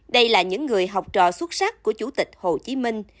đây là những người học trò xuất sắc của chủ tịch hồ chí minh